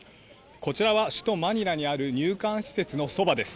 こちらは首都マニラにある、入管施設のそばです。